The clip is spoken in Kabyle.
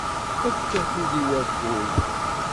Efk akud i wakud